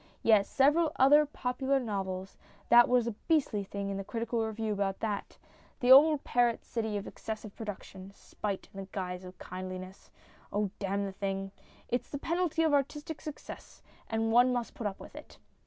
Yes, several other popular novels. That was a beastly thing in the Critical Review about that. The old parrot cry of excessive production spite in the guise of kindliness. Oh, damn the thing ! It's the penalty of artistic success, and one must put up with it.